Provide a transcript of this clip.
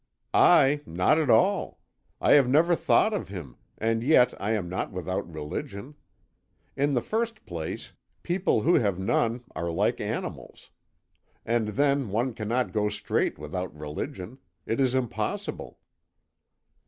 "I, not at all. I have never thought of him, and yet I am not without religion. In the first place, people who have none are like animals. And then one cannot go straight without religion. It is impossible."